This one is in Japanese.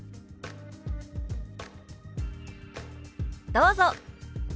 どうぞ！